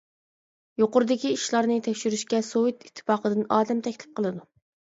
يۇقىرىدىكى ئىشلارنى تەكشۈرۈشكە سوۋېت ئىتتىپاقىدىن ئادەم تەكلىپ قىلىدۇ.